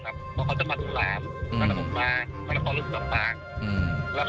ผลยามอาจจะเอาไปทำอะไรหรือเปล่า